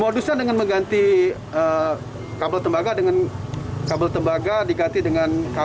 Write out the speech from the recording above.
modusnya dengan mengganti kabel tembaga dengan kabel aluminium